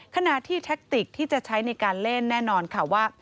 ขณะที่แท็กติกที่จะใช้ในการเล่นแน่นอนค่ะว่า